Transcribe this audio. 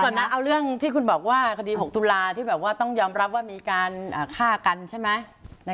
นะเอาเรื่องที่คุณบอกว่าคดี๖ตุลาที่แบบว่าต้องยอมรับว่ามีการฆ่ากันใช่ไหม